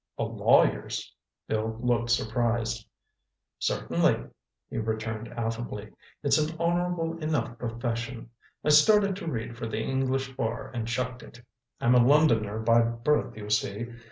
"A lawyer's?" Bill looked surprised. "Certainly," he returned affably. "It's an honorable enough profession, eh? I started to read for the English bar and chucked it. I'm a Londoner by birth, you see.